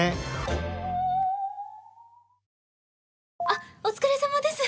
あっお疲れさまです。